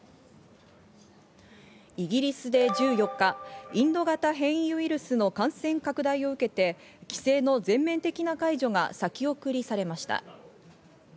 イギリスで１４日、インド型変異ウイルスの感染拡大を受けて規制の全面的な解除が先送りされました。